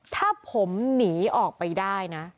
ถ้าผมหนีออกไปได้นะ